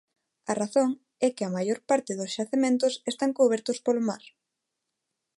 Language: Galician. A razón é que a maior parte dos xacementos están cubertos polo mar.